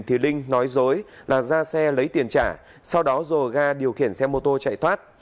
thì linh nói dối là ra xe lấy tiền trả sau đó rồ ga điều khiển xe mô tô chạy thoát